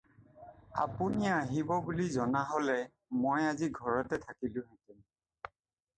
আপুনি আহিব বুলি জনা হ'লে মই আজি ঘৰতে থাকিলোহেঁতেন।